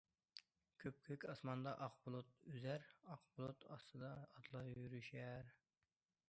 « كۆپكۆك ئاسماندا ئاق بۇلۇت ئۈزەر، ئاق بۇلۇت ئاستىدا ئاتلار يۈرۈشەر».